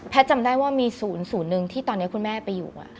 แพทย์จำได้ว่ามีศูนย์ศูนย์หนึ่งที่ตอนนี้คุณแม่ไปอยู่อะ